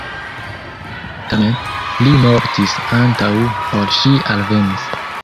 Tamen, li mortis antaŭ ol ŝi alvenis.